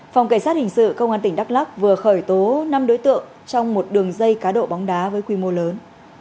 phòng cảnh sát hình sự công an tỉnh đắk lắc vừa khởi tố năm đối tượng trong một đường dây cá độ bóng đá với quy mô lớn